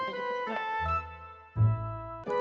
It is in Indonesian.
sekali lagi selamat ya ji